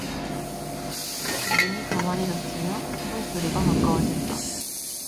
문이 가만히 닫히며 신발 소리가 가까워진다.